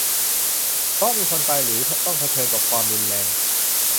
เพราะมีคนตาย และ ต้องเผชิญกับความรุนแรง